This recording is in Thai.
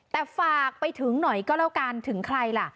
แต่ฝากไปถึงหน่อยก็แล้วกันถึงใครล่ะ